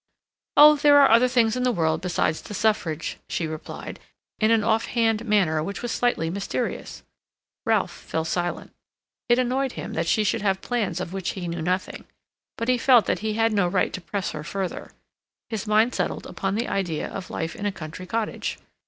"Oh, there are other things in the world besides the Suffrage," she replied, in an off hand manner which was slightly mysterious. Ralph fell silent. It annoyed him that she should have plans of which he knew nothing; but he felt that he had no right to press her further. His mind settled upon the idea of life in a country cottage.